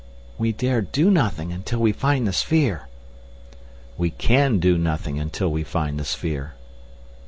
"We dare do nothing until we find the sphere!" "We can do nothing until we find the sphere."